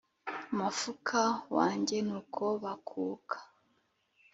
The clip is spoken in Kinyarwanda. Mufuka wanjye nuko bakuka